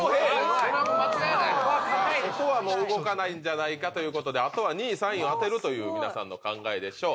ここはもう動かないんじゃないかということであとは２位３位を当てるという皆さんの考えでしょう。